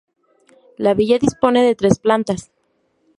La villa dispone de tres plantas.